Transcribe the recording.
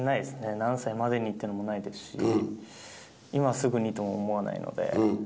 何歳までにというのもないですし、今すぐにとも思わないので。